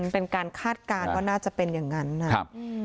เป็นการคาดการณ์ว่าน่าจะเป็นอย่างนั้นนะครับ